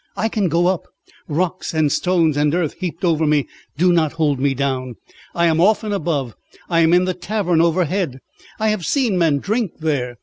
I can go up; rocks and stones and earth heaped over me do not hold me down. I am often above. I am in the tavern overhead. I have seen men drink there.